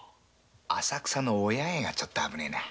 浅草のお八重はちょっと危ねぇな。